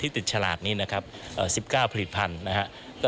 ติดฉลากนี้นะครับ๑๙ผลิตภัณฑ์นะครับ